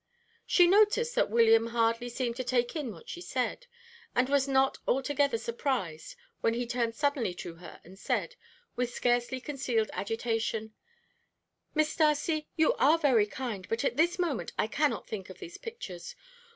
She noticed that William hardly seemed to take in what she said, and was not altogether surprised when he turned suddenly to her and said, with scarcely concealed agitation: "Miss Darcy, you are very kind, but at this moment I cannot think of these pictures.